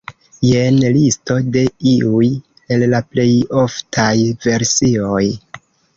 Jen listo de iuj el la plej oftaj versioj.